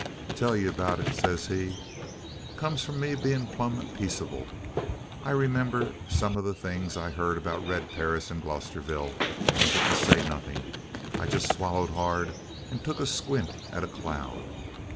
"'Tell you about it,' he says. 'Comes from me being plumb peaceable.' I remembered some of the things I'd heard about Red Perris in Glosterville and didn't say nothing. I just swallowed hard and took a squint at a cloud.